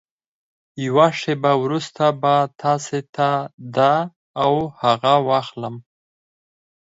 يوه شېبه وروسته به تاسې ته دا او هغه واخلم.